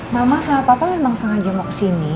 mama sama papa memang sengaja mau kesini